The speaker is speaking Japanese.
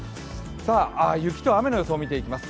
雪と雨の予想を見ていきます。